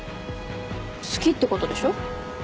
好きってことでしょ？